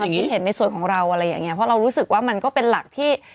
ขนาดผู้ที่เห็นในส่วนของเราอะไรแบบเนี่ยพอเรารู้สึกว่ามันก็เป็นหลักที่